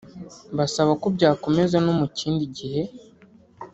basaba ko byakomeza no mu kindi gihe